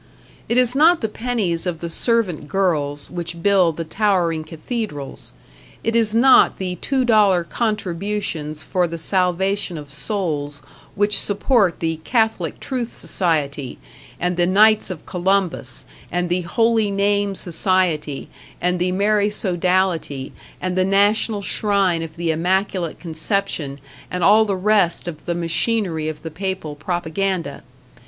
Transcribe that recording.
It is not the pennies of the servant girls which build the towering cathedrals; it is not the two dollar contributions for the salvation of souls which support the Catholic Truth Society and the Knights of Columbus and the Holy Name Society and the Mary Sodality and the National Shrine of the Immaculate Conception and all the rest of the machinery of the Papal propaganda.